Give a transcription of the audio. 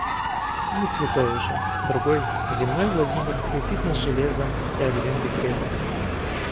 Не святой уже — другой, земной Владимир крестит нас железом и огнем декретов.